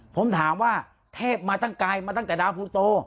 ผมถามว่าเทพมาตั้งไกลมาตั้งแต่ดาวภูโต